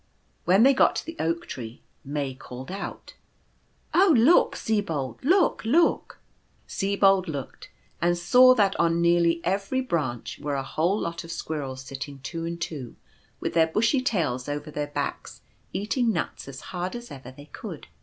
When they got to the Oak tree May called out, " Oh look, Sibold, look, look !" Sibold looked, and saw that on nearly every branch were a whole lot of squirrels sitting two and two, with their bushy tails over their backs, eating nuts as hard as ever they could.